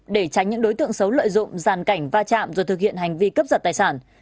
để tránh những đối tượng xấu lợi dụng giàn cảnh va chạm rồi thực hiện hành vi cấp giật tài sản